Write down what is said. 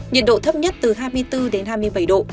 nhiệt độ thấp nhất từ hai mươi bốn đến hai mươi bảy độ